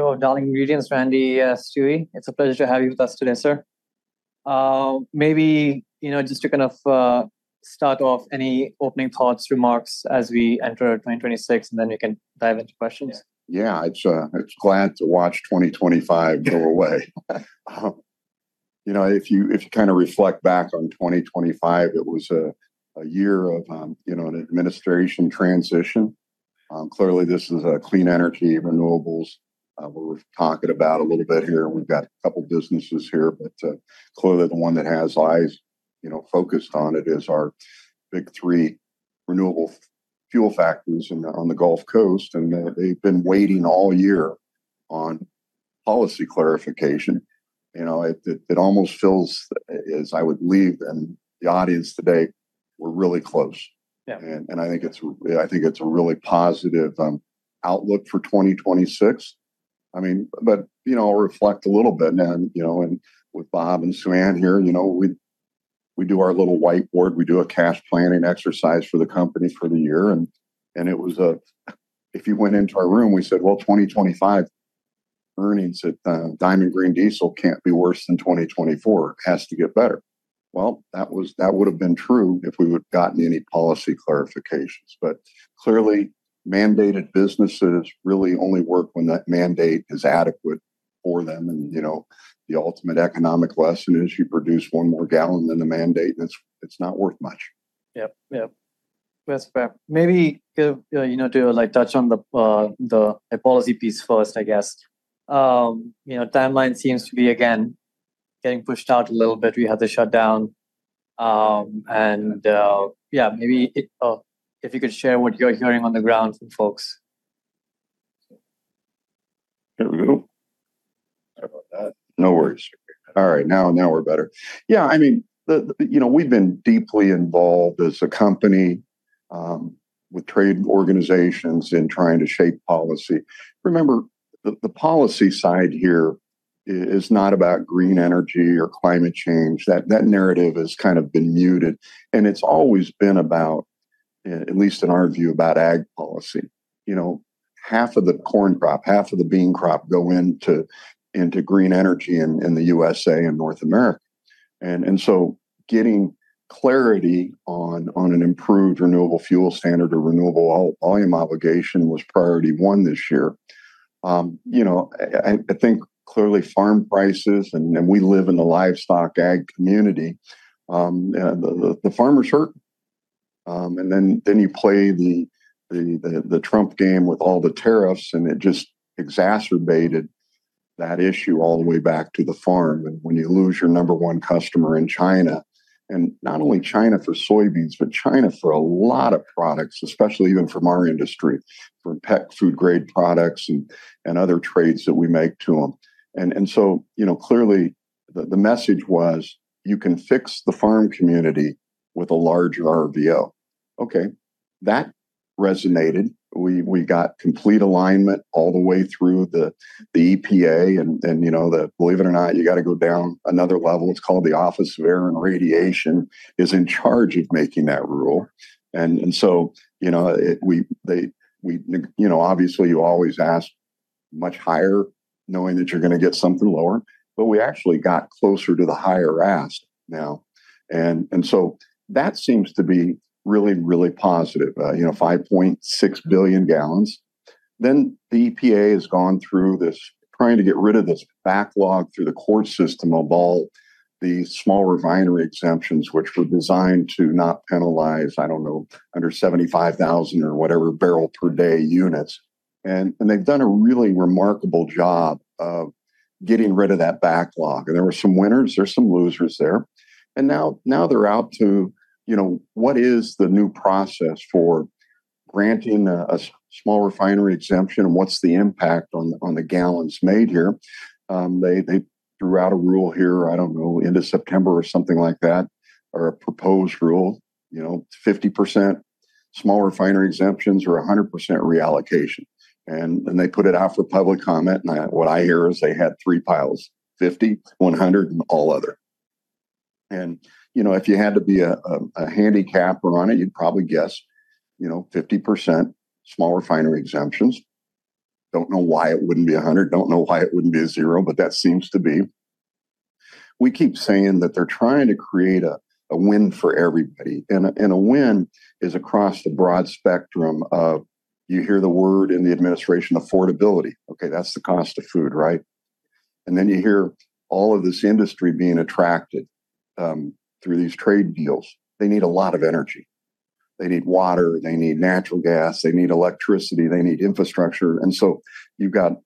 Oh, Darling Ingredients, Randy Stuewe, it's a pleasure to have you with us today, sir. Maybe, you know, just to kind of start off, any opening thoughts, remarks as we enter 2026, and then we can dive into questions? Yeah. Yeah, it's glad to watch 2025 go away. You know, if you kind of reflect back on 2025, it was a year of, you know, an administration transition. Clearly, this is a clean energy, renewables, what we're talking about a little bit here. We've got a couple businesses here, but clearly, the one that has eyes, you know, focused on it is our big three renewable fuel factories on the Gulf Coast, and they've been waiting all year on policy clarification. You know, it almost feels as I would leave, and the audience today, we're really close. Yeah. I think it's a really positive outlook for 2026. I mean, but you know, I'll reflect a little bit, and you know, and with Brad and Suann here, you know, we do our little whiteboard. We do a cash planning exercise for the company for the year, and it was a... If you went into our room, we said, "Well, 2025 earnings at Diamond Green Diesel can't be worse than 2024. It has to get better." Well, that would've been true if we would've gotten any policy clarifications, but clearly, mandated businesses really only work when that mandate is adequate for them, and you know, the ultimate economic lesson is you produce one more gallon than the mandate, and it's not worth much. Yep. Yep. That's fair. Maybe give, you know, to, like, touch on the policy piece first, I guess. You know, timeline seems to be, again, getting pushed out a little bit. We had the shutdown, and, yeah, maybe it, if you could share what you're hearing on the ground from folks. There we go. Sorry about that. No worries. All right, now we're better. Yeah, I mean, the you know, we've been deeply involved as a company with trade organizations in trying to shape policy. Remember, the policy side here is not about green energy or climate change. That narrative has kind of been muted, and it's always been about at least in our view, about ag policy. You know, half of the corn crop, half of the bean crop go into green energy in the USA and North America, and so getting clarity on an improved Renewable Fuel Standard or Renewable Volume Obligation was priority one this year. You know, I think clearly farm prices, and we live in the livestock ag community, the farmers hurt. Then you play the Trump game with all the tariffs, and it just exacerbated that issue all the way back to the farm, and when you lose your number one customer in China, and not only China for soybeans, but China for a lot of products, especially even from our industry, for pet food grade products and other trades that we make to them. And so, you know, clearly, the message was, "You can fix the farm community with a larger RVO." Okay, that resonated. We got complete alignment all the way through the EPA and, you know, the, believe it or not, you got to go down another level. It's called the Office of Air and Radiation, is in charge of making that rule. You know, obviously, you always ask much higher, knowing that you're gonna get something lower, but we actually got closer to the higher ask now, and so that seems to be really, really positive, you know, 5.6 billion gallons. Then the EPA has gone through this, trying to get rid of this backlog through the court system of all these small refinery exemptions, which were designed to not penalize, I don't know, under 75,000 or whatever barrel per day units, and they've done a really remarkable job of getting rid of that backlog, and there were some winners, there's some losers there. Now they're out to, you know, what is the new process for granting a small refinery exemption, and what's the impact on the gallons made here? They threw out a rule here, I don't know, end of September or something like that, or a proposed rule, you know, 50% small refinery exemptions or 100% reallocation, and then they put it out for public comment, and what I hear is they had three piles: 50, 100, and all other. You know, if you had to be a handicapper on it, you'd probably guess, you know, 50% small refinery exemptions. Don't know why it wouldn't be 100, don't know why it wouldn't be 0, but that seems to be... We keep saying that they're trying to create a win for everybody, and a win is across the broad spectrum of, you hear the word in the administration, affordability. Okay, that's the cost of food, right? And then you hear all of this industry being attracted through these trade deals. They need a lot of energy. They need water, they need natural gas, they need electricity, they need infrastructure, and so you've got to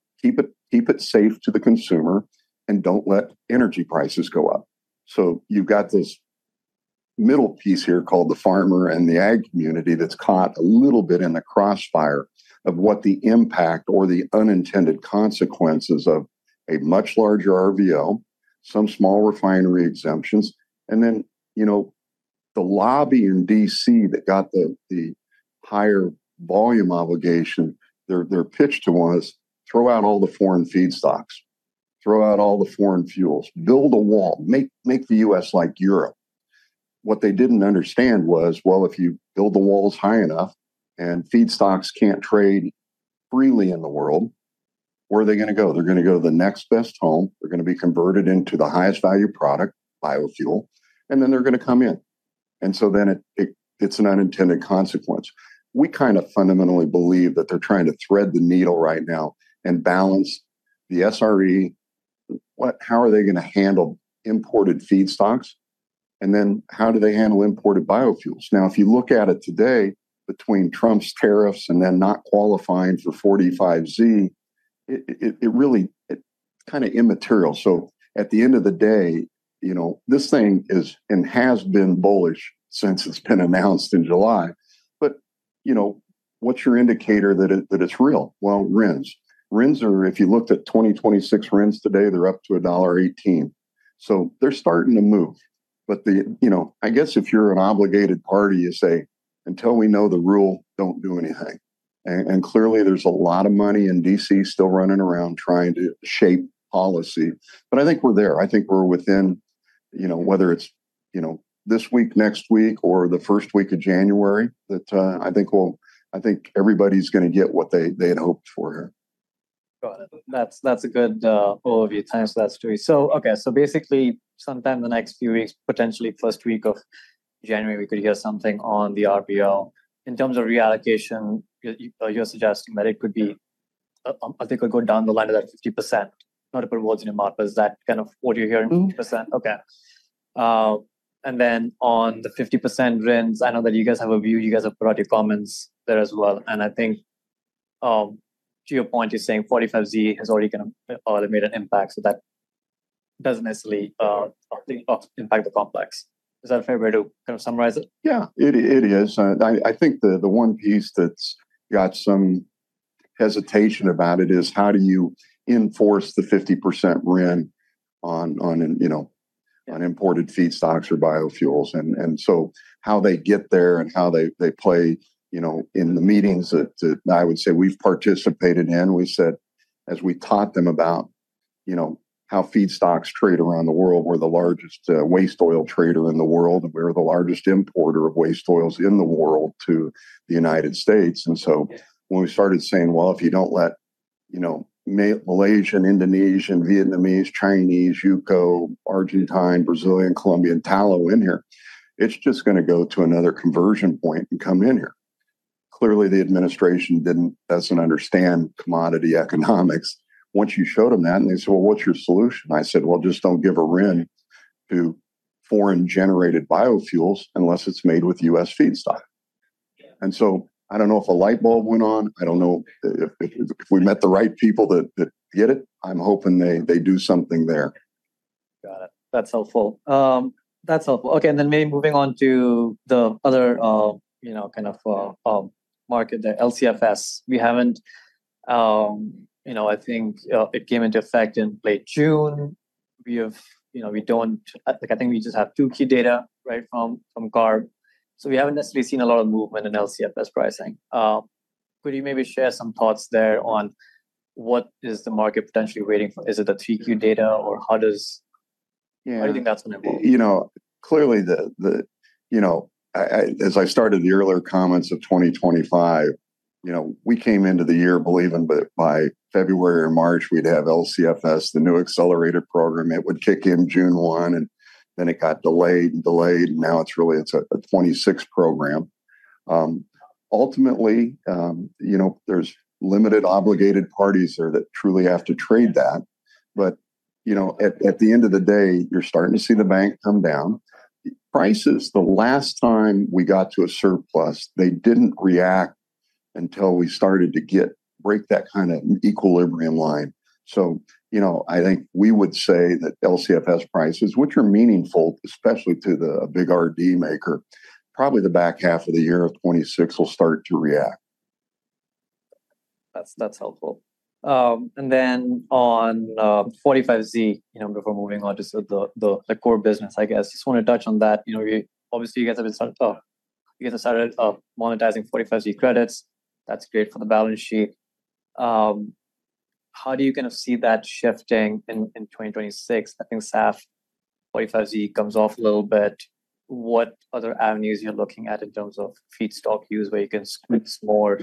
keep it safe to the consumer and don't let energy prices go up. You've got this middle piece here called the farmer and the ag community that's caught a little bit in the crossfire of what the impact or the unintended consequences of a much larger RVO, some small refinery exemptions, and then, you know, the lobby in D.C. that got the higher volume obligation, their pitch to us, "Throw out all the foreign feedstocks." Throw out all the foreign fuels, build a wall, make the U.S. like Europe. What they didn't understand was, well, if you build the walls high enough, and feedstocks can't trade freely in the world, where are they gonna go? They're gonna go to the next best home. They're gonna be converted into the highest value product, biofuel, and then they're gonna come in, and so then it's an unintended consequence. We kind of fundamentally believe that they're trying to thread the needle right now and balance the SRE. What? How are they gonna handle imported feedstocks, and then how do they handle imported biofuels? Now, if you look at it today, between Trump's tariffs and then not qualifying for 45Z, it really, it's kind of immaterial. So at the end of the day, you know, this thing is, and has been bullish since it's been announced in July. But, you know, what's your indicator that it's real? Well, RINs. RINs are, if you looked at 2026 RINs today, they're up to $1.18, so they're starting to move. But the, you know, I guess if you're an obligated party, you say, "Until we know the rule, don't do anything." And clearly, there's a lot of money in DC still running around trying to shape policy, but I think we're there. I think we're within, you know, whether it's, you know, this week, next week, or the first week of January, that I think everybody's gonna get what they had hoped for here. Got it. That's a good overview. Thanks for that story. So, okay, so basically, sometime in the next few weeks, potentially first week of January, we could hear something on the RVO. In terms of reallocation, you're suggesting that it could be, I think, could go down the line of that 50%, not to put words in your mouth, but is that kind of what you're hearing, 50%? Mm-hmm. Okay. And then on the 50% RINs, I know that you guys have a view. You guys have provided comments there as well, and I think, to your point, you're saying 45Z has already kind of, already made an impact, so that doesn't necessarily impact the complex. Is that a fair way to kind of summarize it? Yeah, it is, and I think the one piece that's got some hesitation about it is, how do you enforce the 50% RIN on, you know, on imported feedstocks or biofuels? And so how they get there and how they play, you know, in the meetings that I would say we've participated in, we said, as we taught them about, you know, how feedstocks trade around the world, we're the largest waste oil trader in the world, and we're the largest importer of waste oils in the world to the United States. And so- Yeah... when we started saying, "Well, if you don't let, you know, Malaysian, Indonesian, Vietnamese, Chinese, UCO, Argentine, Brazilian, Colombian tallow in here, it's just gonna go to another conversion point and come in here." Clearly, the administration didn't, doesn't understand commodity economics. Once you showed them that, and they said, "Well, what's your solution?" I said, "Well, just don't give a RIN to foreign-generated biofuels unless it's made with U.S. feedstock. Yeah. I don't know if a light bulb went on. I don't know if we met the right people that get it. I'm hoping they do something there. Got it. That's helpful. That's helpful. Okay, and then maybe moving on to the other, you know, kind of, market, the LCFS. We haven't, you know, I think, it came into effect in late June. We have, you know, we don't... I think we just have 2Q data, right, from CARB, so we haven't necessarily seen a lot of movement in LCFS pricing. Could you maybe share some thoughts there on what is the market potentially waiting for? Is it the 2Q data or how does- Yeah I think that's gonna be. You know, clearly, the you know, as I started the earlier comments of twenty twenty-five, you know, we came into the year believing that by February or March, we'd have LCFS, the new accelerator program. It would kick in June one, and then it got delayed and delayed, and now it's really, it's a twenty-six program. Ultimately, you know, there's limited obligated parties there that truly have to trade that. But, you know, at the end of the day, you're starting to see the bank come down. Prices, the last time we got to a surplus, they didn't react until we started to get to break that kind of equilibrium line. So, you know, I think we would say that LCFS prices, which are meaningful, especially to a big RD maker, probably the back half of the year of 2026 will start to react. That's helpful. And then on 45Z, you know, before moving on to the core business, I guess just want to touch on that. You know, you obviously you guys have started monetizing 45Z credits. That's great for the balance sheet. How do you kind of see that shifting in 2026? I think SAF 45Z comes off a little bit. What other avenues you're looking at in terms of feedstock use, where you can squeeze more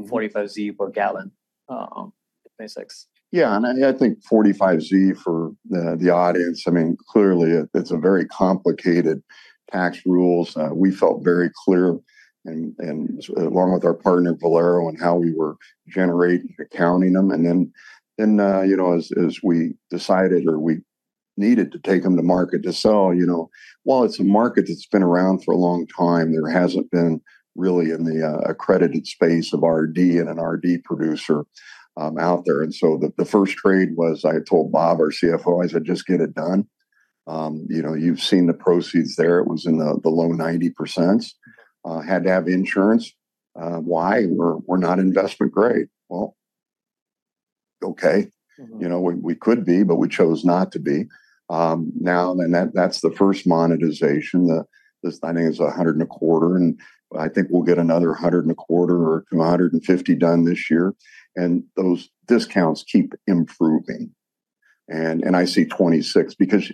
45Z per gallon in 2026? Yeah, and I think 45Z for the audience, I mean, clearly, it's a very complicated tax rules. We felt very clear and along with our partner, Valero, and how we were generating, accounting them, and then, you know, as we decided or we needed to take them to market to sell, you know, while it's a market that's been around for a long time, there hasn't been really in the accredited space of RD and an RD producer out there. And so the first trade was, I told Brad, our CFO, I said, "Just get it done." You know, you've seen the proceeds there. It was in the low 90%. Had to have insurance. Why? We're not investment grade. Well, okay. Mm-hmm. You know, we could be, but we chose not to be. Now, then, that's the first monetization. This, I think, is a hundred and a quarter, and I think we'll get another hundred and a quarter to a hundred and fifty done this year, and those discounts keep improving... and I see twenty-six, because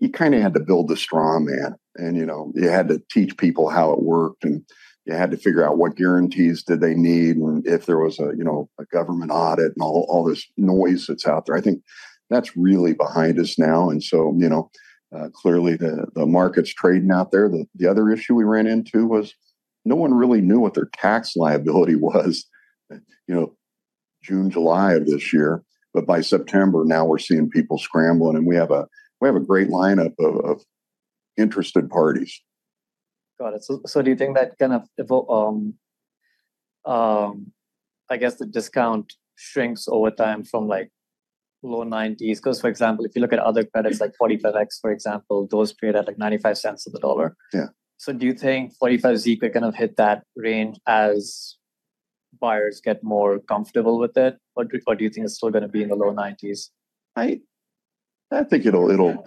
you kind of had to build the straw man and, you know, you had to teach people how it worked, and you had to figure out what guarantees did they need, and if there was a, you know, a government audit and all this noise that's out there. I think that's really behind us now, and so, you know, clearly the market's trading out there. The other issue we ran into was no one really knew what their tax liability was, you know, June, July of this year. But by September, now we're seeing people scrambling, and we have a great lineup of interested parties. Got it. So do you think that kind of, I guess the discount shrinks over time from, like, low nineties? 'Cause for example, if you look at other credits, like 45X, for example, those trade at, like, $0.95 to the dollar. Yeah. So do you think 45Z could kind of hit that range as buyers get more comfortable with it, or do you think it's still gonna be in the low nineties? I think it'll... You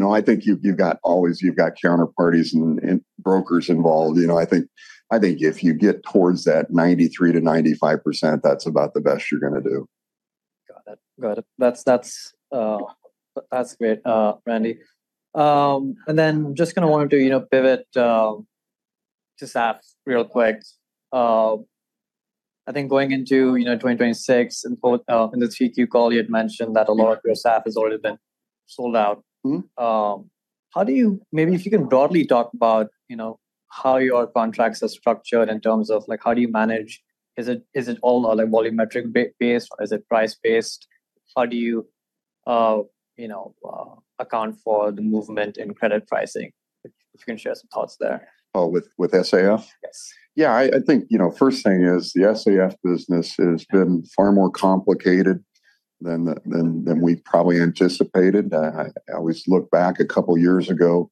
know, I think you've always got counterparties and brokers involved. You know, I think if you get towards that 93%-95%, that's about the best you're gonna do. Got it. Got it. That's great, Randy. And then just kind of wanted to, you know, pivot to SAF real quick. I think going into, you know, 2026 and for, in the 3Q call, you had mentioned that a lot of your SAF has already been sold out. Mm-hmm. How do you... Maybe if you can broadly talk about, you know, how your contracts are structured in terms of, like, how do you manage? Is it all, like, volumetric based, or is it price based? How do you, you know, account for the movement in credit pricing? If you can share some thoughts there. Oh, with SAF? Yes. Yeah, I think, you know, first thing is the SAF business has been far more complicated than we probably anticipated. I always look back a couple of years ago,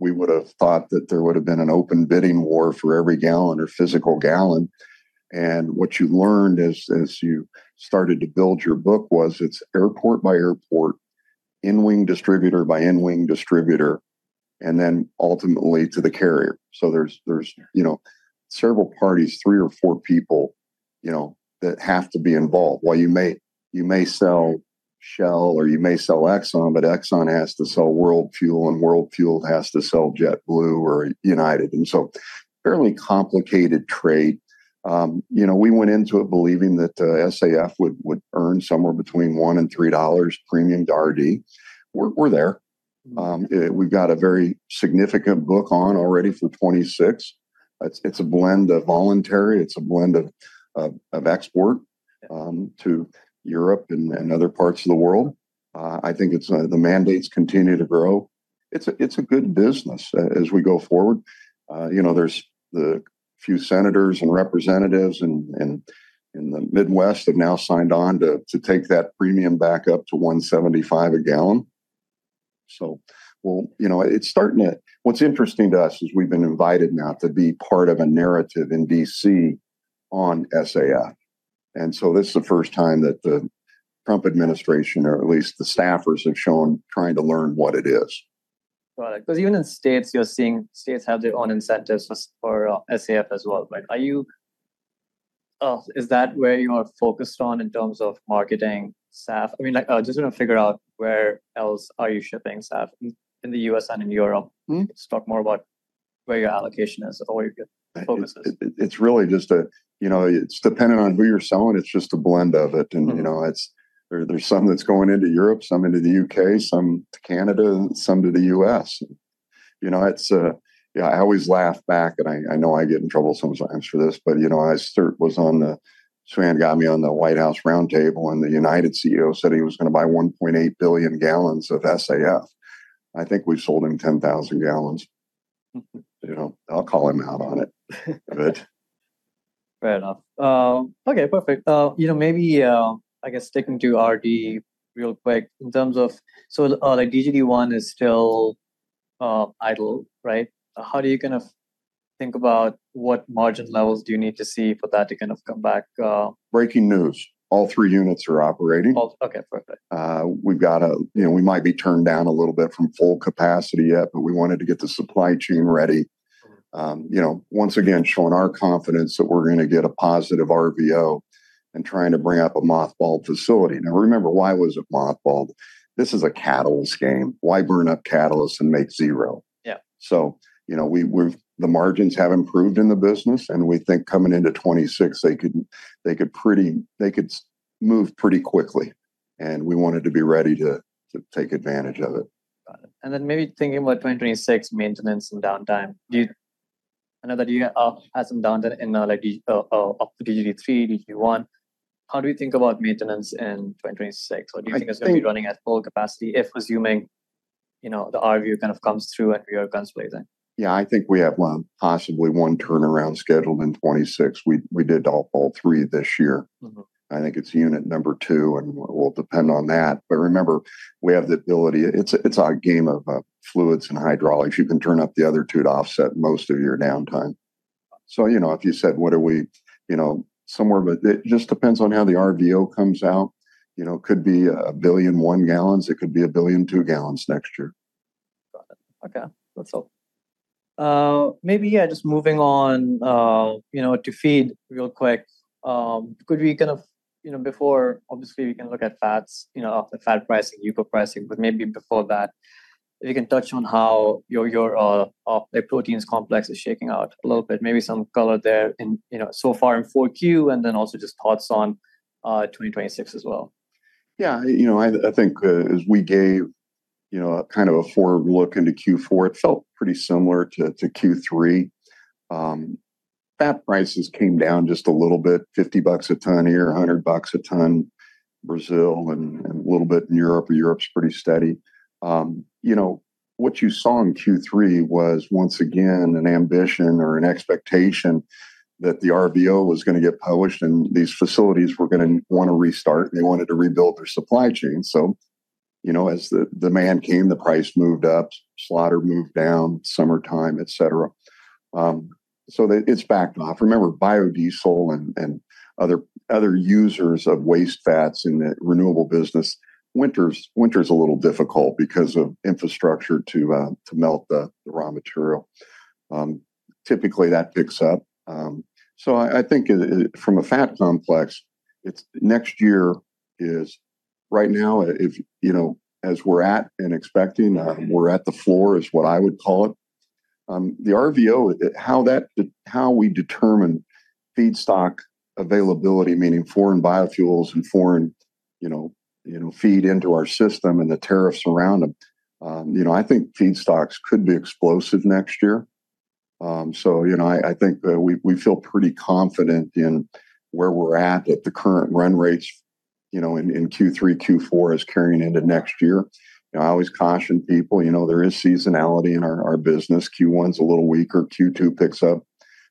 we would've thought that there would've been an open bidding war for every gallon or physical gallon, and what you learned as you started to build your book was it's airport by airport, in-wing distributor by in-wing distributor, and then ultimately to the carrier. So there's, you know, several parties, three or four people, you know, that have to be involved. While you may sell Shell or you may sell Exxon, but Exxon has to sell World Fuel, and World Fuel has to sell JetBlue or United, and so fairly complicated trade. You know, we went into it believing that SAF would earn somewhere between $1 and $3 premium to RD. We're there. We've got a very significant book on already for 2026. It's a blend of voluntary, it's a blend of export to Europe and other parts of the world. I think the mandates continue to grow. It's a good business as we go forward. You know, there's the few senators and representatives in the Midwest have now signed on to take that premium back up to $1.75 a gallon. So well, you know, it's starting to... What's interesting to us is we've been invited now to be part of a narrative in DC on SAF, and so this is the first time that the Trump administration, or at least the staffers, have shown trying to learn what it is. Right. Because even in states, you're seeing states have their own incentives for SAF as well. Like, are you... Is that where you are focused on in terms of marketing SAF? I mean, like, just want to figure out where else are you shipping SAF in the U.S. and in Europe? Mm-hmm. Just talk more about where your allocation is or where your focus is. It's really just a, you know, it's dependent on who you're selling. It's just a blend of it. Mm-hmm. You know, it's, there's some that's going into Europe, some into the U.K., some to Canada, and some to the U.S. You know, it's a... Yeah, I always laugh back, and I, I know I get in trouble sometimes for this, but, you know, someone got me on the White House roundtable, and the United CEO said he was gonna buy 1.8 billion gallons of SAF. I think we sold him 10,000 gallons. Mm-hmm. You know, I'll call him out on it, but... Fair enough. Okay, perfect. You know, maybe I guess sticking to RD real quick, in terms of... So, like DGD one is still idle, right? How do you kind of think about what margin levels do you need to see for that to kind of come back? Breaking news, all three units are operating. Oh, okay, perfect. We've got a... You know, we might be turned down a little bit from full capacity yet, but we wanted to get the supply chain ready. Mm-hmm. You know, once again, showing our confidence that we're gonna get a positive RVO and trying to bring up a mothballed facility. Now, remember, why was it mothballed? This is a catalyst game. Why burn up catalyst and make zero? Yeah. You know, the margins have improved in the business, and we think coming into 2026, they could move pretty quickly, and we wanted to be ready to take advantage of it. Got it. And then maybe thinking about 2026 maintenance and downtime. Do you... I know that you had some downtime in, like up to DGD three, DGD one. How do you think about maintenance in 2026? I think- Or do you think it's gonna be running at full capacity if assuming, you know, the RVO kind of comes through and we are contemplating? Yeah, I think we have possibly one turnaround scheduled in 2026. We did all three this year. Mm-hmm. I think it's unit number two, and we'll depend on that. But remember, we have the ability. It's our game of fluids and hydraulics. You can turn up the other two to offset most of your downtime. So, you know, if you said: what are we. You know, somewhere, but it just depends on how the RVO comes out. You know, it could be 1.1 billion gallons; it could be 1.2 billion gallons next year.... Okay, that's all. Maybe, yeah, just moving on, you know, to feed real quick. Could we kind of, you know, before, obviously, we can look at fats, you know, fat pricing, UCO pricing, but maybe before that, you can touch on how your proteins complex is shaking out a little bit. Maybe some color there in, you know, so far in 4Q, and then also just thoughts on 2026 as well. Yeah, you know, I think, as we gave, you know, kind of a forward look into Q4, it felt pretty similar to Q3. Fat prices came down just a little bit, $50 a ton here, $100 a ton, Brazil, and a little bit in Europe, but Europe's pretty steady. You know, what you saw in Q3 was, once again, an ambition or an expectation that the RVO was gonna get published, and these facilities were gonna wanna restart. They wanted to rebuild their supply chain. So, you know, as the demand came, the price moved up, slaughter moved down, summertime, et cetera. So it's backed off. Remember, biodiesel and other users of waste fats in the renewable business, winter is a little difficult because of infrastructure to melt the raw material. Typically, that picks up. So I think it, from a fat complex, it's... Next year is, right now, if, you know, as we're at and expecting, we're at the floor, is what I would call it. The RVO, how we determine feedstock availability, meaning foreign biofuels and foreign, you know, feed into our system and the tariffs around them, you know, I think feedstocks could be explosive next year. So, you know, I think, we feel pretty confident in where we're at, that the current run rates, you know, in Q3, Q4 is carrying into next year. I always caution people, you know, there is seasonality in our business. Q1 is a little weaker. Q2 picks up,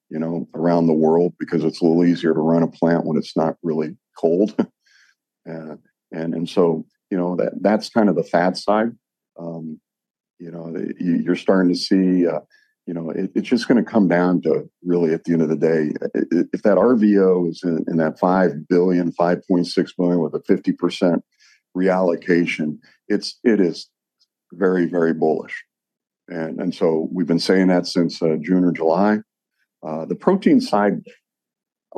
you know, around the world because it's a little easier to run a plant when it's not really cold. And so, you know, that, that's kind of the fat side. You know, you, you're starting to see, you know, it, it's just gonna come down to really, at the end of the day, if that RVO is in that 5 billion, 5.6 billion, with a 50% reallocation, it is very, very bullish. And so we've been saying that since June or July. The protein side,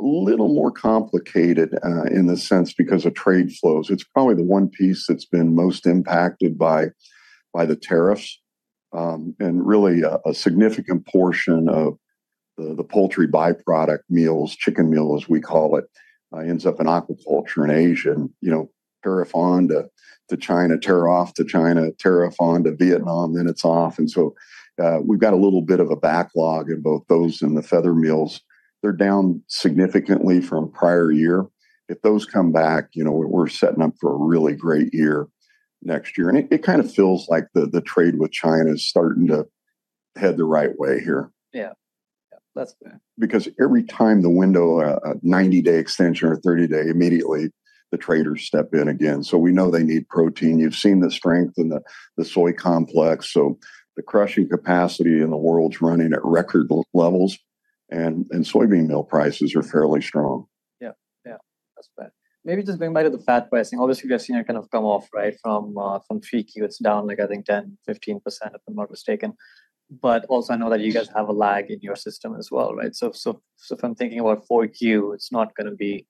a little more complicated, in the sense because of trade flows. It's probably the one piece that's been most impacted by the tariffs. Really, a significant portion of the poultry byproduct meals, chicken meal, as we call it, ends up in aquaculture in Asia. You know, tariff on to China, tariff off to China, tariff on to Vietnam, then it's off. So, we've got a little bit of a backlog in both those and the feather meals. They're down significantly from prior year. If those come back, you know, we're setting up for a really great year next year. It kind of feels like the trade with China is starting to head the right way here. Yeah. Yeah, that's fair. Because every time the window, a ninety-day extension or a thirty-day, immediately, the traders step in again. So we know they need protein. You've seen the strength in the soy complex, so the crushing capacity in the world's running at record levels, and soybean meal prices are fairly strong. Yeah. Yeah, that's fair. Maybe just going back to the fat pricing. Obviously, we are seeing it kind of come off, right, from 3Q. It's down, like, I think 10-15%, if I'm not mistaken. But also, I know that you guys have a lag in your system as well, right? So if I'm thinking about 4Q, it's not gonna be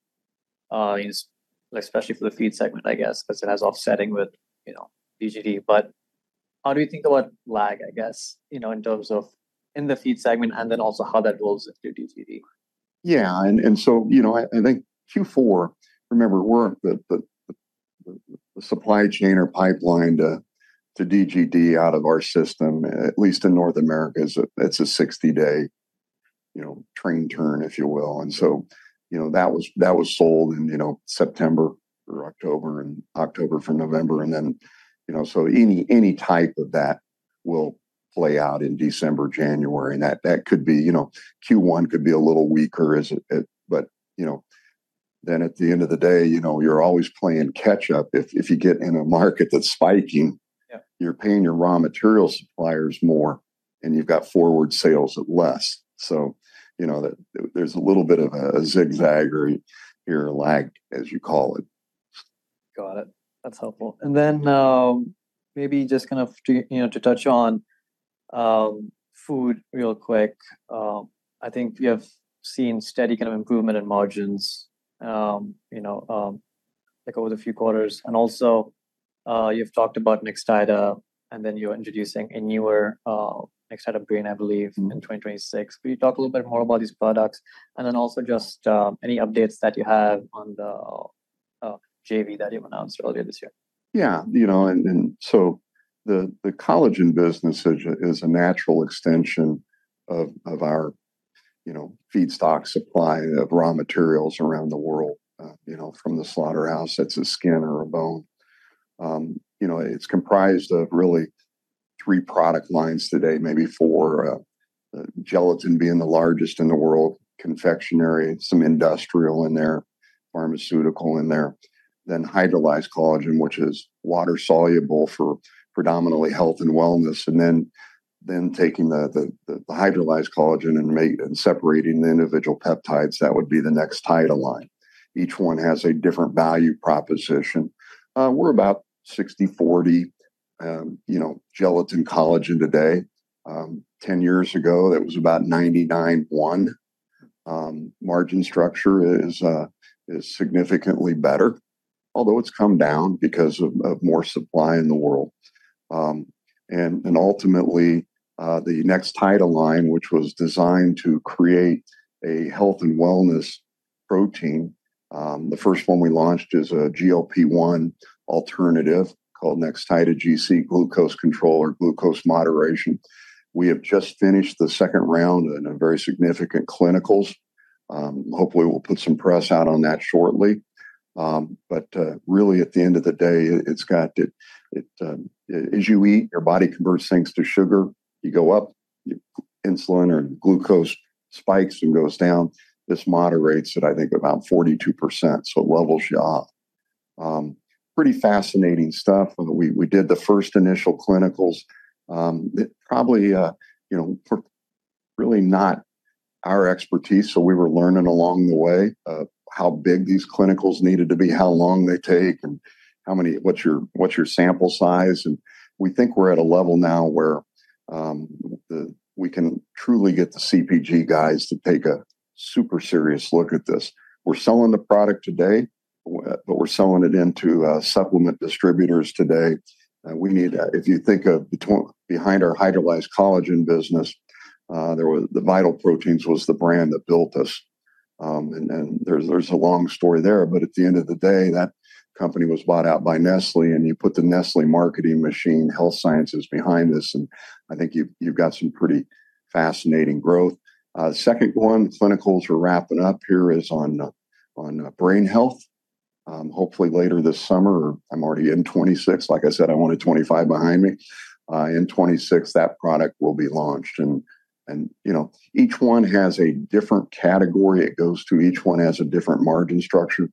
especially for the feed segment, I guess, because it has offsetting with, you know, DGD. But how do you think about lag, I guess, you know, in terms of in the feed segment, and then also how that rolls into DGD? Yeah, and so, you know, I think Q4, remember, we're the supply chain or pipeline to DGD out of our system, at least in North America. It's a 60-day, you know, train turn, if you will. And so, you know, that was sold in, you know, September or October, and October for November. And then, you know, so any type of that will play out in December, January. And that could be, you know, Q1 could be a little weaker as it... But, you know, then at the end of the day, you know, you're always playing catch up if you get in a market that's spiking- Yeah... You're paying your raw material suppliers more, and you've got forward sales at less. So, you know, that, there's a little bit of a zigzag or your lag, as you call it. Got it. That's helpful. And then, maybe just kind of to, you know, to touch on, food real quick. I think we have seen steady kind of improvement in margins, you know, like over the few quarters. And also, you've talked about Nextida, and then you're introducing a newer, Nextida brand, I believe, in 2026. Can you talk a little bit more about these products? And then also, just any updates that you have on the, JV that you've announced earlier this year. Yeah, you know, and so the collagen business is a natural extension of our, you know, feedstock supply of raw materials around the world. You know, from the slaughterhouse, that's a skin or a bone. You know, it's comprised of really three product lines today, maybe four, gelatin being the largest in the world, confectionery, some industrial in there, pharmaceutical in there, then hydrolyzed collagen, which is water-soluble for predominantly health and wellness, and then taking the hydrolyzed collagen and separating the individual peptides, that would be the Nextida line. Each one has a different value proposition. We're about 60/40, you know, gelatin collagen today. Ten years ago, that was about 99/1. Margin structure is significantly better, although it's come down because of more supply in the world. Ultimately, the Nextida line, which was designed to create a health and wellness protein, the first one we launched is a GLP-1 alternative called Nextida GC, glucose control or glucose moderation. We have just finished the second round in a very significant clinicals. Hopefully, we'll put some press out on that shortly. But really, at the end of the day, it's as you eat, your body converts things to sugar. You go up, your insulin or glucose spikes and goes down. This moderates it, I think, about 42%, so it levels you off. Pretty fascinating stuff, and we did the first initial clinicals. It probably, you know, for really not our expertise, so we were learning along the way, how big these clinicals needed to be, how long they take, and how many- what's your sample size, and we think we're at a level now where we can truly get the CPG guys to take a super serious look at this. We're selling the product today, but we're selling it into supplement distributors today. We need... If you think of between, behind our hydrolyzed collagen business, there was, the Vital Proteins was the brand that built us. And then, there's a long story there, but at the end of the day, that company was bought out by Nestlé, and you put the Nestlé marketing machine, health sciences behind this, and I think you've got some pretty fascinating growth. The second one, clinicals we're wrapping up here is on brain health. Hopefully later this summer, I'm already in 2026. Like I said, I wanted 2025 behind me. In 2026, that product will be launched, and, you know, each one has a different category. It goes to each one has a different margin structure.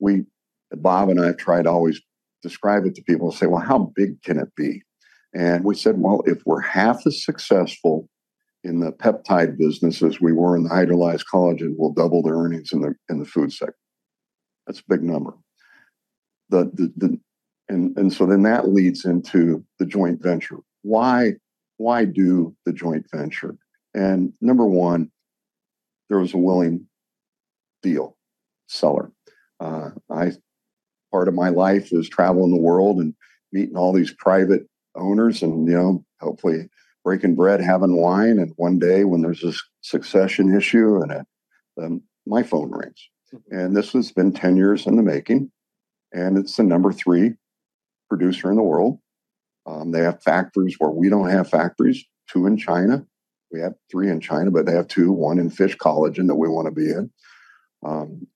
We, Bob and I have tried to always describe it to people and say, "Well, how big can it be?" And we said, "Well, if we're half as successful in the peptide business as we were in the hydrolyzed collagen, we'll double the earnings in the food sector." That's a big number. And so then that leads into the joint venture. Why? Why do the joint venture? And number one, there was a willing deal seller. Part of my life is traveling the world and meeting all these private owners and, you know, hopefully breaking bread, having wine, and one day when there's a succession issue, and, then my phone rings. And this has been 10 years in the making, and it's the number 3 producer in the world. They have factories where we don't have factories, 2 in China. We have 3 in China, but they have 2, one in fish collagen that we want to be in.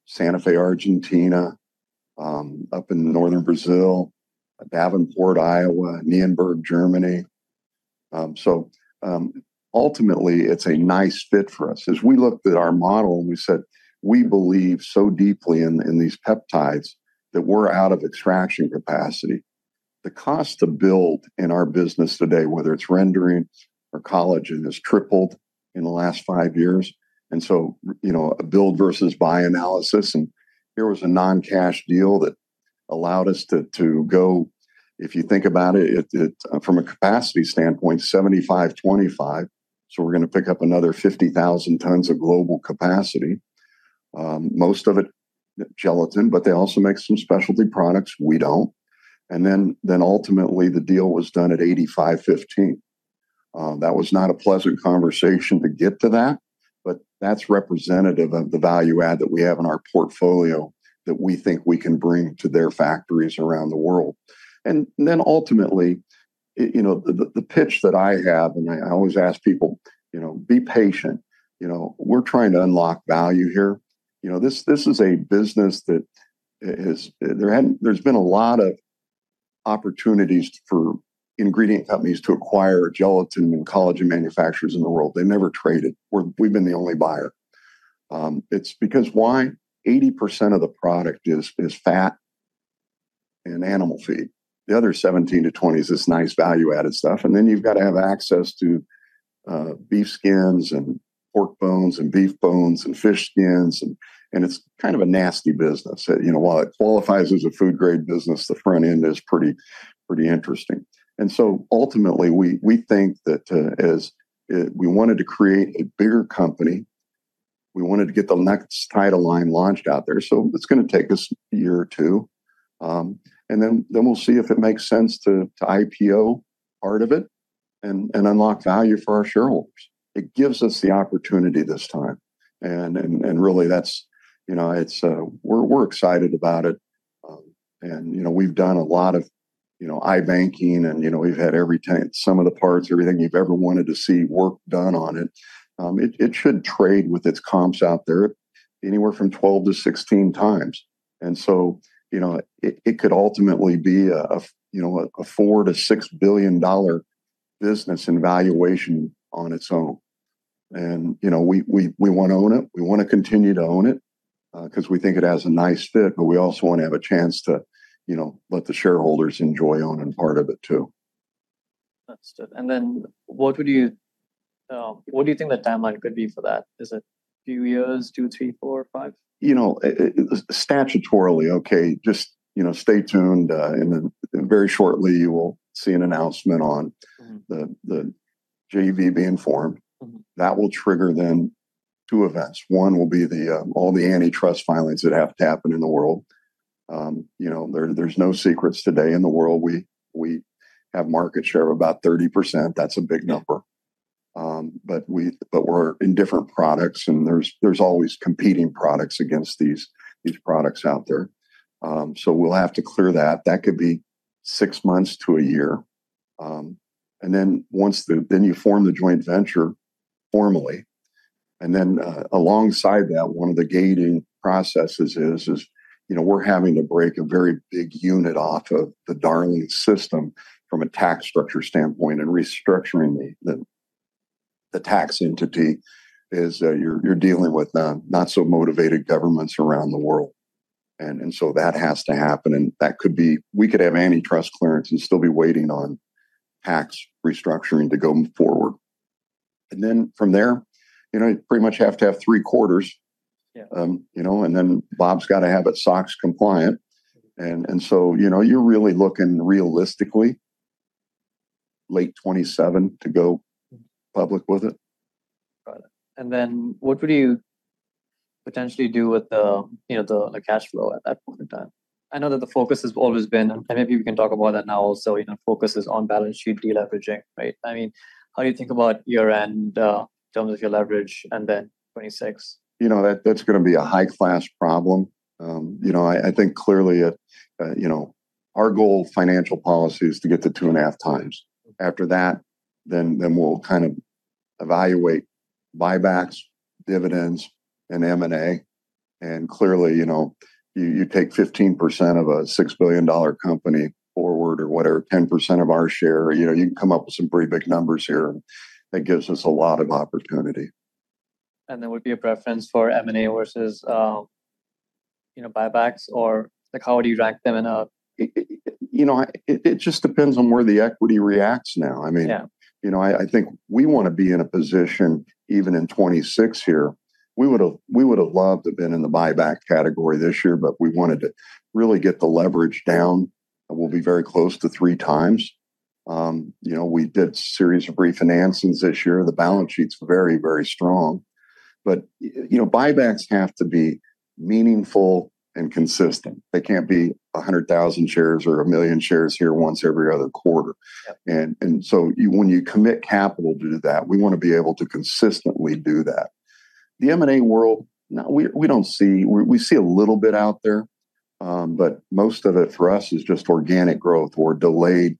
Santa Fe, Argentina, up in northern Brazil, Davenport, Iowa, Nienburg, Germany. So, ultimately, it's a nice fit for us. As we looked at our model, we said we believe so deeply in these peptides that we're out of extraction capacity. The cost to build in our business today, whether it's rendering or collagen, has tripled in the last five years, and so, you know, a build versus buy analysis, and here was a non-cash deal that allowed us to go. If you think about it, it from a capacity standpoint, 75-25, so we're gonna pick up another 50,000 tons of global capacity. Most of it, gelatin, but they also make some specialty products we don't. And then ultimately, the deal was done at 85-15. That was not a pleasant conversation to get to that, but that's representative of the value add that we have in our portfolio that we think we can bring to their factories around the world. And then ultimately, you know, the pitch that I have, and I always ask people, you know, "Be patient." You know, we're trying to unlock value here. You know, this is a business that has... There hadn't, there's been a lot of opportunities for ingredient companies to acquire gelatin and collagen manufacturers in the world. They never traded. We've been the only buyer. It's because why? 80% of the product is fat and animal feed. The other 17%-20% is this nice value-added stuff, and then you've got to have access to beef skins and pork bones and beef bones and fish skins, and it's kind of a nasty business. You know, while it qualifies as a food grade business, the front end is pretty interesting. And so ultimately, we think that, as we wanted to create a bigger company, we wanted to get the Nextida line launched out there. So it's gonna take us a year or two, and then we'll see if it makes sense to IPO part of it and unlock value for our shareholders. It gives us the opportunity this time, and really, that's, you know, it's, we're excited about it. And, you know, we've done a lot of, you know, i-banking, and, you know, we've had every some of the parts, everything you've ever wanted to see work done on it. It should trade with its comps out there anywhere from 12-16 times, and so, you know, it could ultimately be a $4-6 billion business in valuation on its own. And, you know, we want to own it, we want to continue to own it, 'cause we think it has a nice fit, but we also want to have a chance to, you know, let the shareholders enjoy owning part of it, too. Understood. And then what would you, what do you think the timeline could be for that? Is it a few years, two, three, four, or five? You know, statutorily, okay, just, you know, stay tuned, and then very shortly you will see an announcement on- Mm-hmm.... the JV being formed, that will trigger then two events. One will be all the antitrust filings that have to happen in the world. You know, there's no secrets today in the world. We have market share of about 30%. That's a big number. But we're in different products, and there's always competing products against these products out there. So we'll have to clear that. That could be six months to a year. And then once the... Then you form the joint venture formally, and then, alongside that, one of the gating processes is, you know, we're having to break a very big unit off of the Darling system from a tax structure standpoint and restructuring the tax entity is, you're dealing with not so motivated governments around the world. And so that has to happen, and that could be, we could have antitrust clearance and still be waiting on tax restructuring to go forward. And then from there, you know, you pretty much have to have three quarters. Yeah. You know, and then Bob's got to have it SOX compliant. And so, you know, you're really looking realistically, late 2027 to go public with it. Got it. And then what would you potentially do with the, you know, the cash flow at that point in time? I know that the focus has always been, and maybe we can talk about that now also, you know, focus is on balance sheet deleveraging, right? I mean, how do you think about year-end in terms of your leverage and then 2026? You know, that, that's gonna be a high-class problem. You know, I think clearly, you know, our goal financial policy is to get to two and a half times. After that, then we'll kind of evaluate buybacks, dividends, and M&A. And clearly, you know, you take 15% of a $6 billion company forward or whatever, 10% of our share, you know, you can come up with some pretty big numbers here, and that gives us a lot of opportunity. And there would be a preference for M&A versus, you know, buybacks, or, like, how would you rank them in a- You know, it just depends on where the equity reacts now. Yeah. I mean, you know, I think we wanna be in a position, even in 2026 here. We would've loved to have been in the buyback category this year, but we wanted to really get the leverage down, and we'll be very close to three times. You know, we did series of refinancings this year. The balance sheet's very, very strong. But, you know, buybacks have to be meaningful and consistent. They can't be a hundred thousand shares or a million shares here once every other quarter. Yep. When you commit capital to do that, we wanna be able to consistently do that. The M&A world, now, we don't see... We see a little bit out there, but most of it, for us, is just organic growth or delayed,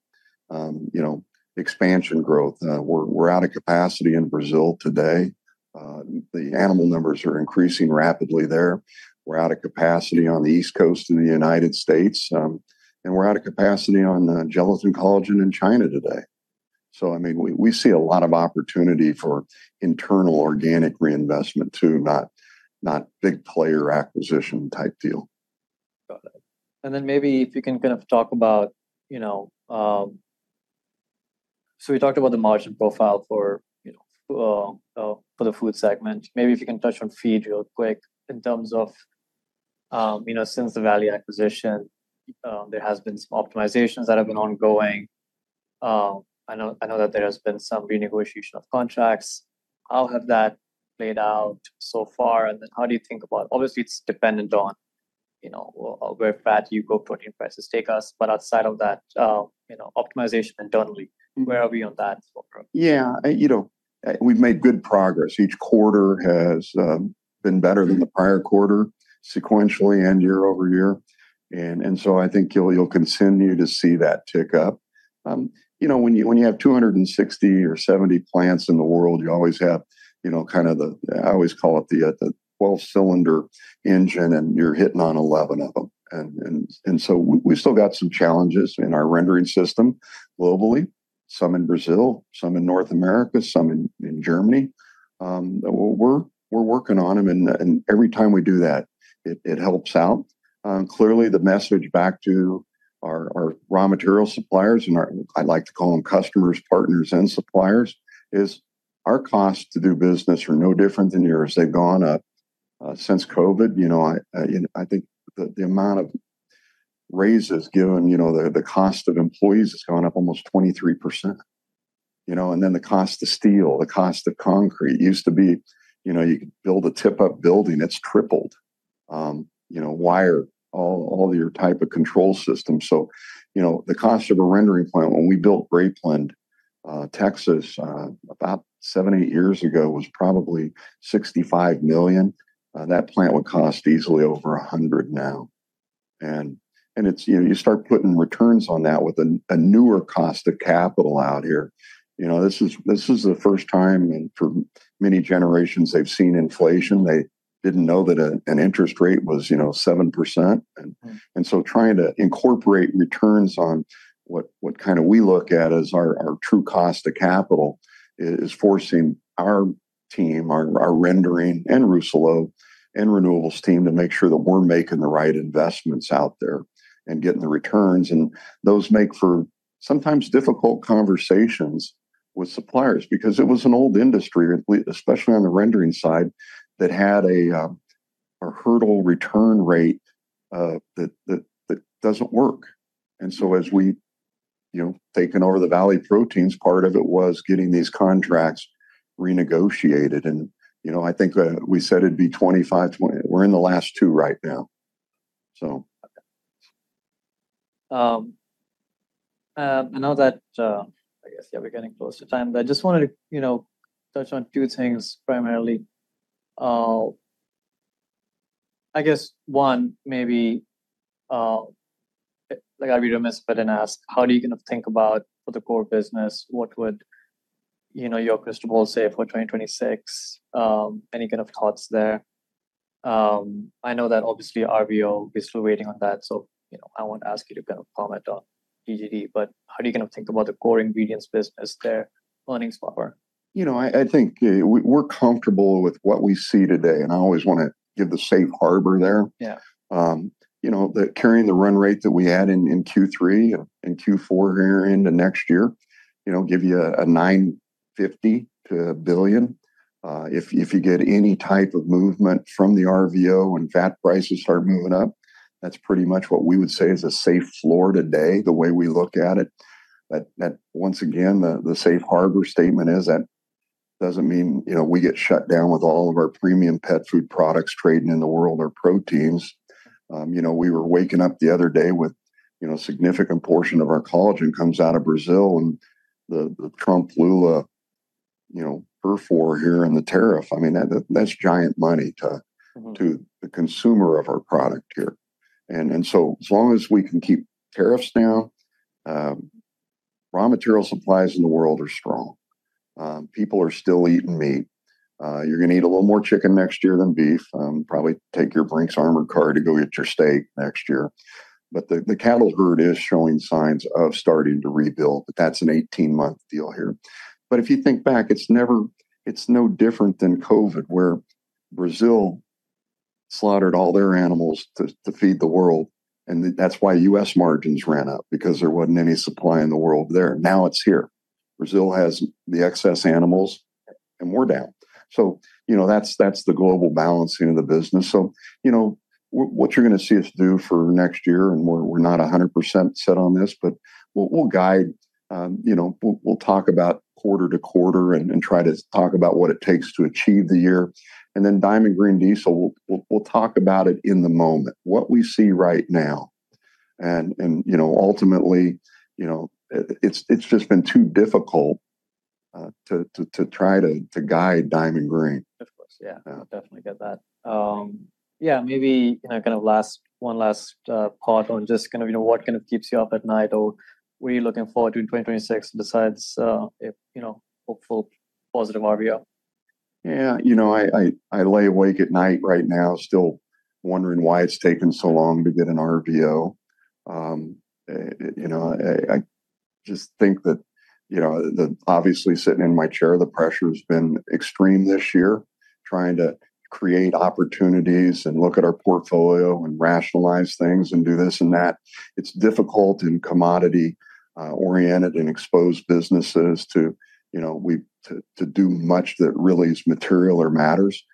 you know, expansion growth. We're out of capacity in Brazil today. The animal numbers are increasing rapidly there. We're out of capacity on the East Coast of the United States, and we're out of capacity on the gelatin collagen in China today. I mean, we see a lot of opportunity for internal organic reinvestment, too, not big player acquisition-type deal. Got it. And then maybe if you can kind of talk about, you know. So we talked about the margin profile for, you know, for the food segment. Maybe if you can touch on feed real quick in terms of, you know, since the Valley acquisition, there has been some optimizations that have been ongoing. I know that there has been some renegotiation of contracts. How have that played out so far, and then how do you think about. Obviously, it's dependent on, you know, where fat prices go, protein prices take us, but outside of that, you know, optimization internally, where are we on that so far? Yeah, you know, we've made good progress. Each quarter has been better than the prior quarter, sequentially and year over year, and so I think you'll continue to see that tick up. You know, when you have 260 or 70 plants in the world, you always have, you know, kind of the, I always call it the 12-cylinder engine, and you're hitting on 11 of them. And so we still got some challenges in our rendering system globally, some in Brazil, some in North America, some in Germany. We're working on them, and every time we do that, it helps out. Clearly, the message back to our raw material suppliers and I like to call them customers, partners, and suppliers, is our costs to do business are no different than yours. They've gone up since COVID. You know, I think the amount of raises given, you know, the cost of employees has gone up almost 23%. You know, and then the cost of steel, the cost of concrete, used to be, you know, you could build a tip-up building, that's tripled. You know, wire, all your type of control system. So, you know, the cost of a rendering plant when we built Grapeland, Texas, about 7-8 years ago, was probably $65 million. That plant would cost easily over $100 million now. And it's... You know, you start putting returns on that with a newer cost of capital out here. You know, this is the first time in many generations they've seen inflation. They didn't know that an interest rate was, you know, 7%. Mm. Trying to incorporate returns on what we look at as our true cost of capital is forcing our team, our rendering and Rousselot and renewables team to make sure that we're making the right investments out there and getting the returns. Those make for sometimes difficult conversations with suppliers because it was an old industry, especially on the rendering side, that had a hurdle return rate that doesn't work. As we taken over the Valley Proteins, part of it was getting these contracts renegotiated. You know, I think that we said it'd be 25, 20-- we're in the last two right now, so. I know that, I guess, yeah, we're getting close to time, but I just wanted to, you know, touch on two things primarily. I guess one, maybe, like, I read a misprint and ask, how do you kind of think about for the core business, what would, you know, your crystal ball say for twenty twenty-six? Any kind of thoughts there? I know that obviously RVO, we're still waiting on that, so, you know, I won't ask you to kind of comment on DGD, but how do you kind of think about the core ingredients business there, earnings power? You know, I think we're comfortable with what we see today, and I always wanna give the safe harbor there. Yeah. You know, that carrying the run rate that we had in Q3 and Q4 here into next year, you know, give you a $950 million-$1 billion. If you get any type of movement from the RVO and fat prices start moving up, that's pretty much what we would say is a safe floor today, the way we look at it. But that, once again, the safe harbor statement is that doesn't mean, you know, we get shut down with all of our premium pet food products trading in the world are proteins. You know, we were waking up the other day with, you know, a significant portion of our collagen comes out of Brazil, and the Trump Lula brouhaha here and the tariff, I mean, that's giant money to- Mm-hmm To the consumer of our product here, and so as long as we can keep tariffs down, raw material supplies in the world are strong. People are still eating meat. You're gonna eat a little more chicken next year than beef. Probably take your Brink's armored car to go get your steak next year, but the cattle herd is showing signs of starting to rebuild. That's an eighteen-month deal here, but if you think back, it's no different than COVID, where Brazil slaughtered all their animals to feed the world, and that's why U.S. margins ran up, because there wasn't any supply in the world there. Now it's here. Brazil has the excess animals, and we're down, so you know, that's the global balancing of the business. So, you know, what you're gonna see us do for next year, and we're not 100% set on this, but we'll guide, you know, we'll talk about quarter to quarter and try to talk about what it takes to achieve the year. And then Diamond Green Diesel, we'll talk about it in the moment, what we see right now. And, you know, ultimately, you know, it's just been too difficult to try to guide Diamond Green. Of course. Yeah. Yeah. I definitely get that. Yeah, maybe, you know, one last part on just kind of, you know, what kind of keeps you up at night, or what are you looking forward to in twenty twenty-six, besides, you know, hopeful positive RVO? Yeah. You know, I lay awake at night right now still wondering why it's taken so long to get an RVO. You know, I just think that. Obviously, sitting in my chair, the pressure's been extreme this year, trying to create opportunities and look at our portfolio and rationalize things and do this and that. It's difficult in commodity oriented and exposed businesses to, you know, to do much that really is material or matters.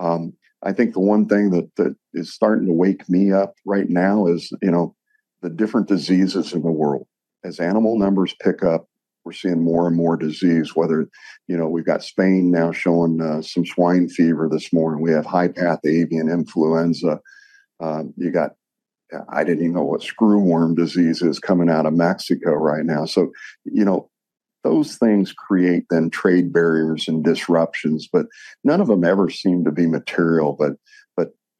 I think the one thing that is starting to wake me up right now is, you know, the different diseases in the world. As animal numbers pick up, we're seeing more and more disease, whether, you know, we've got Spain now showing some swine fever this morning. We have high-path avian influenza. You got, I didn't even know what screwworm disease is coming out of Mexico right now. So, you know, those things create then trade barriers and disruptions, but none of them ever seem to be material, but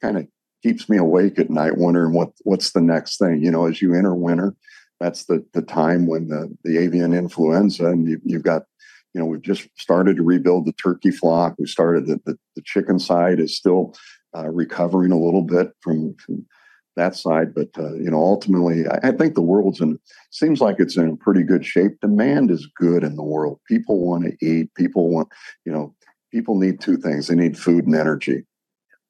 kinda keeps me awake at night wondering what, what's the next thing. You know, as you enter winter, that's the time when the avian influenza and you've got, you know, we've just started to rebuild the turkey flock. We started the chicken side is still recovering a little bit from that side. But, you know, ultimately, I think the world's in, seems like it's in pretty good shape. Demand is good in the world. People wanna eat, people want, you know, people need two things. They need food and energy.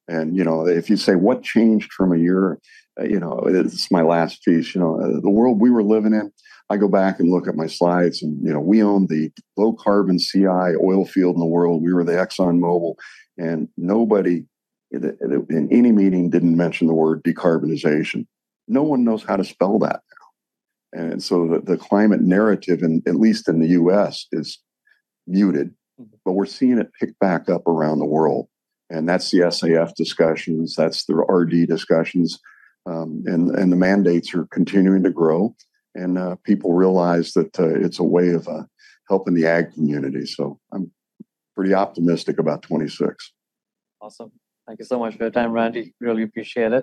You know, if you say what changed from a year, you know, it's my last piece, you know, the world we were living in. I go back and look at my slides, and you know, we own the low-carbon CI oil field in the world. We were the ExxonMobil, and nobody in any meeting didn't mention the word decarbonization. No one knows how to spell that now. So the climate narrative, at least in the U.S., is muted- Mm-hmm... but we're seeing it pick back up around the world, and that's the SAF discussions, that's the RD discussions, and the mandates are continuing to grow, and people realize that it's a way of helping the ag community. So I'm pretty optimistic about 2026. Awesome. Thank you so much for your time, Randy. Really appreciate it.